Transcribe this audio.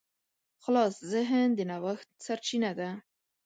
خلاص ذهن د نوښت سرچینه ده.